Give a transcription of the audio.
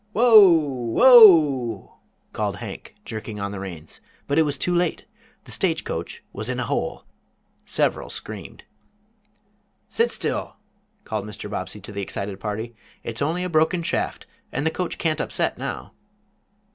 "Whoa! Whoa!" called Hank, jerking on the reins. But it was too late! The stage coach was in a hole! Several screamed. "Sit still!" called Mr. Bobbsey to the excited party. "It's only a broken shaft and the coach can't upset now."